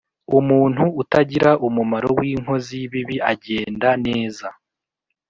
Umuntu utagira umumaro w inkozi y ibibi agenda neza